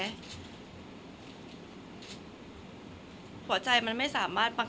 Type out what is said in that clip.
คนเราถ้าใช้ชีวิตมาจนถึงอายุขนาดนี้แล้วค่ะ